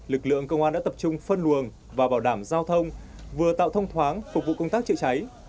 lực lượng công an đã tập trung phân luồng và bảo đảm giao thông vừa tạo thông thoáng phục vụ công tác chữa cháy